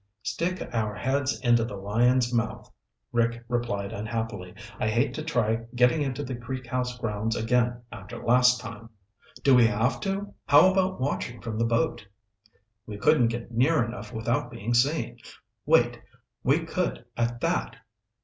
"Stick our heads into the lion's mouth," Rick replied unhappily. "I hate to try getting into the Creek House grounds again after last time!" "Do we have to? How about watching from the boat?" "We couldn't get near enough without being seen. Wait! We could at that!"